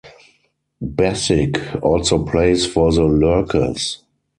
Bassick also plays for The Lurkers.